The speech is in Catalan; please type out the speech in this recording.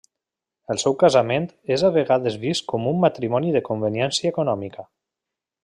El seu casament és a vegades vist com un matrimoni de conveniència econòmica.